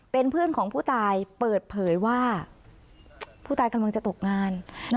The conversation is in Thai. เป็นเพื่อนของผู้ตายเปิดเผยว่าผู้ตายกำลังจะตกงาน